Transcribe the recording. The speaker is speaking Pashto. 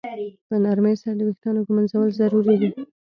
په نرمۍ سره د ویښتانو ږمنځول ضروري دي.